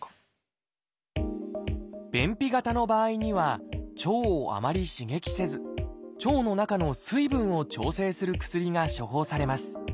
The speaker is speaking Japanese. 便秘型の場合には腸をあまり刺激せず腸の中の水分を調整する薬が処方されます。